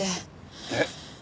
えっ？